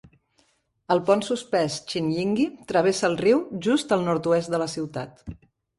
El pont suspès Chinyingi travessa el riu just al nord-oest de la ciutat.